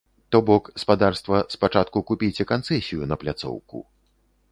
То бок, спадарства, спачатку купіце канцэсію на пляцоўку.